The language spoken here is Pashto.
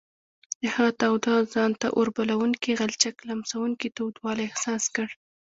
د هغه تاوده او ځان ته اوربلوونکي غلچک لمسوونکی تودوالی احساس کړ.